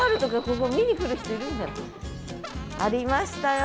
ありましたよ。